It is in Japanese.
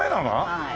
はい。